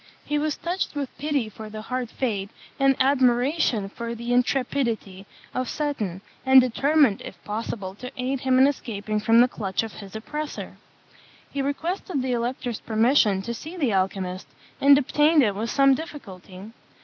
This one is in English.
He was touched with pity for the hard fate, and admiration for the intrepidity of Seton; and determined, if possible, to aid him in escaping from the clutch of his oppressor. He requested the elector's permission to see the alchymist, and obtained it with some difficulty.